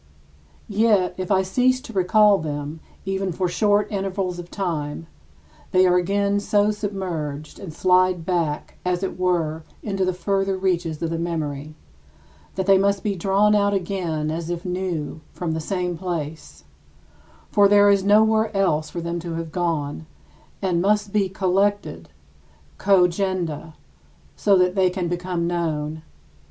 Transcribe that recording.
Yet, if I cease to recall them even for short intervals of time, they are again so submerged and slide back, as it were, into the further reaches of the memory that they must be drawn out again as if new from the same place (for there is nowhere else for them to have gone) and must be collected [cogenda] so that they can become known.